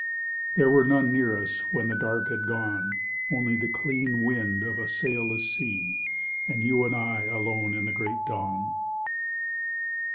There were none near us when the dark had gone, Only the clean wind of a sailless sea, And you and I alone in the great dawn.